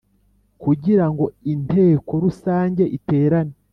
Kugira ngo Inteko Rusange iterane